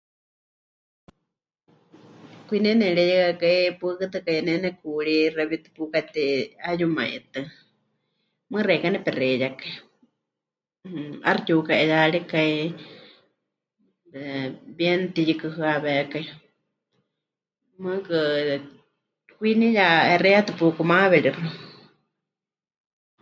Kwinie nemɨreiyehɨakai pɨhɨɨkɨtɨkai, ne nekuurí xewítɨ pukatei 'eyumaitɨ́, mɨɨkɨ xeikɨ́a nepexeiyakai, mmm, 'aixɨ pɨtiuka'iyaarikai, 'eh, bien pɨtiyukɨhɨawékai, mɨɨkɨ kwiiniya hexeiyatɨ pukumaweríxɨ.